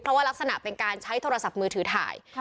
เพราะว่ารักษณะเป็นการใช้โทรศัพท์มือถือถ่าย